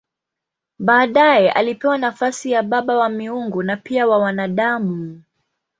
Baadaye alipewa nafasi ya baba wa miungu na pia wa wanadamu.